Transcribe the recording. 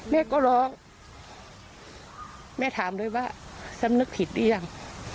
แม่ก็ร้องแม่ถามเลยว่าทรัมม์นึกผิดอย่าง